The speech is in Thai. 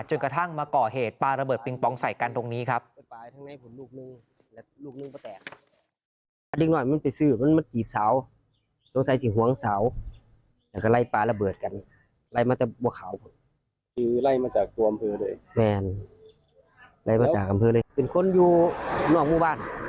จนกระทั่งมาก่อเหตุปลาระเบิดปิงปองใส่กันตรงนี้ครับ